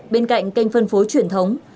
bên cạnh kênh phân phối truyền thống